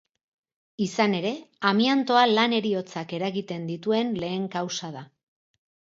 Izan ere, amiantoa lan heriotzak eragiten dituen lehen kausa da.